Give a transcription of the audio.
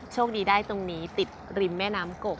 โชคดีได้ตรงนี้ติดริมแม่น้ำกก